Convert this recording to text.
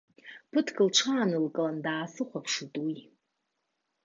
Ԥыҭк лҽаанкыланы, даасыхәаԥшит уи.